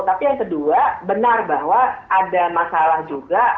tapi yang kedua benar bahwa ada masalah juga